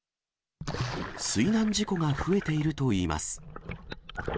水難事故が増えているといいます。